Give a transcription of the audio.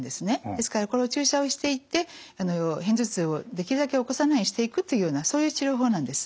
ですから注射をしていって片頭痛をできるだけ起こさないようにしていくというようなそういう治療法なんです。